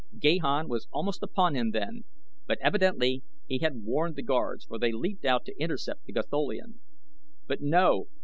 Gahan was almost upon him then, but evidently he had warned the guards, for they leaped out to intercept the Gatholian. But no!